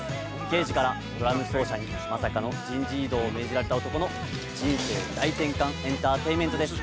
刑事からドラム奏者にまさかの人事異動を命じられた男の人生大転換エンターテインメントです